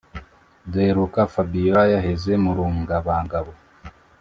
duheruka fabiora yaheze murungabangabo